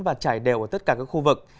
và chảy đều ở tất cả các khu vực